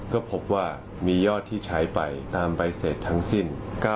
ก็พบว่ามียอดที่ใช้ไปตามใบเสร็จทั้งสิ้น